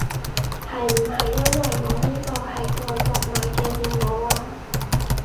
係唔係因為我呢個係外國買嘅電腦啊